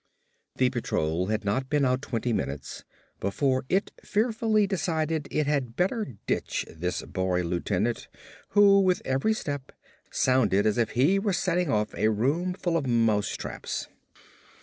The patrol had not been out twenty minutes before it fearfully decided it had better ditch this boy lieutenant who, with each step, sounded as if he were setting off a room full of mousetraps.